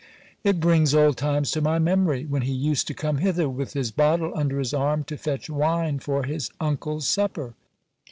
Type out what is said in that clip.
It brings old times to my memory ! when he used to come hither with his bottle under his arm, to fetch wine for his uncle's supper.